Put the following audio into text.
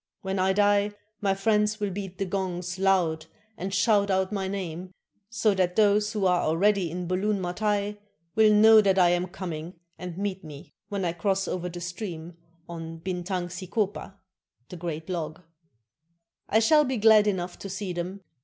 When I die, my friends will beat the gongs loud and shout out my name, so that those who are already in Bulun Matai will know that I am coming, and meet me when I cross over the stream on Bintang Sik6pa [the great log], I shall be glad enough to see them.